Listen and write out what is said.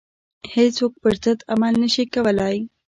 هیڅوک پر ضد عمل نه شي کولای.